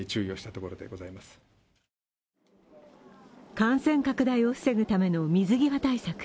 感染拡大を防ぐための水際対策。